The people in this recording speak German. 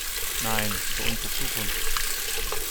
Nein, über unsere Zukunft.